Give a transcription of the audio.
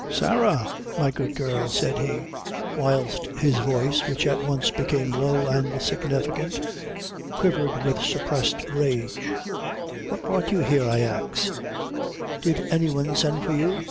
"Sarah, my good girl," said he, whilst his voice, which at once became low and significant, quivered with suppressed rage "what brought you here, I ax? Did any one send for you?